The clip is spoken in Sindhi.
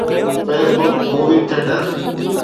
Facebook movie theatre